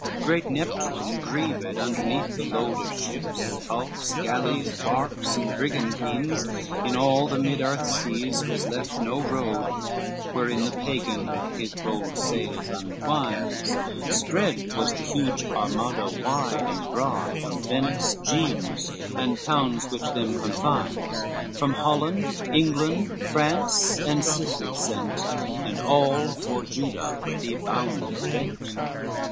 LXXIX Great Neptune grieved underneath the load Of ships, hulks, galleys, barks and brigantines, In all the mid earth seas was left no road Wherein the Pagan his bold sails untwines, Spread was the huge Armado, wide and broad, From Venice, Genes, and towns which them confines, From Holland, England, France and Sicil sent, And all for Juda ready bound and bent.